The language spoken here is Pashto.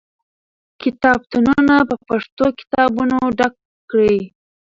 کتابتونونه په پښتو کتابونو ډک کړئ.